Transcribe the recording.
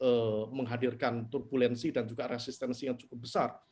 untuk menghadirkan turbulensi dan juga resistensi yang cukup besar